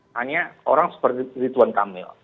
hanya orang seperti rituan kamil